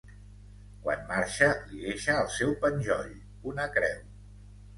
Quan marxa, li deixa el seu penjoll, una creu.